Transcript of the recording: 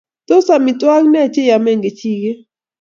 tos omitwogik ne che iomen kijiket